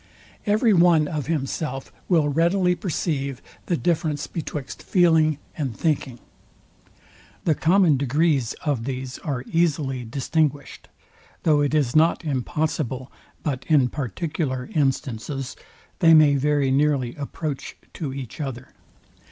Every one of himself will readily perceive the difference betwixt feeling and thinking. The common degrees of these are easily distinguished; though it is not impossible but in particular instances they may very nearly approach to each other.